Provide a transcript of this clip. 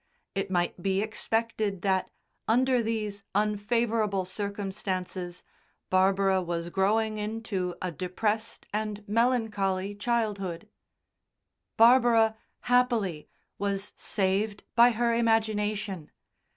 It might be expected that, under these unfavourable circumstances, Barbara was growing into a depressed and melancholy childhood. Barbara, happily, was saved by her imagination.